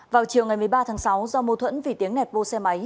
vào chiều ngày một mươi ba tháng sáu do mâu thuẫn vì tiếng nẹt vô xe máy